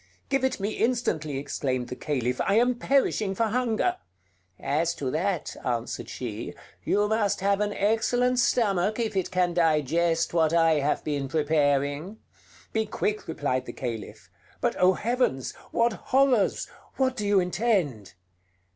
"Give it me instantly!" exclaimed the Caliph: "I am perishing for hunger!" "As to that," answered she, "you must have an excellent stomach if it can digest what I have been preparing." "Be quick," replied the Caliph. "But oh, heavens! what horrors! What do you intend?"